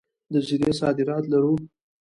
د زیرې صادرات لرو؟